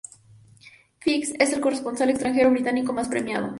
Fisk es el corresponsal extranjero británico más premiado.